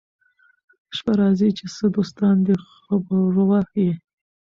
شپه راځي چي څه دوستان دي خبروه يې